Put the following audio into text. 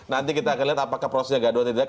nanti kita akan lihat apakah prosesnya gaduh atau tidak